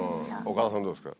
岡田さんどうですか？